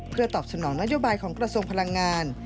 เพื่อตอบสนองนโยบายของกระทรวงพลังงาน